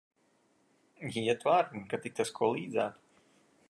Ietu ar, kad tik tas ko līdzētu.